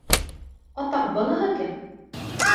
Атаҡ, быныһы кем?